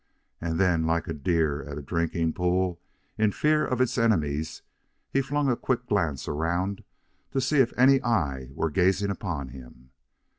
And then, like a deer at a drinking pool in fear of its enemies, he flung a quick glance around to see if any eye were gazing upon him.